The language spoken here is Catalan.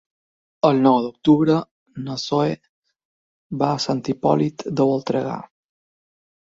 El nou d'octubre na Zoè va a Sant Hipòlit de Voltregà.